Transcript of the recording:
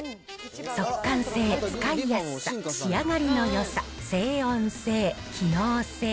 速乾性、使いやすさ、仕上がりのよさ、静音性、機能性。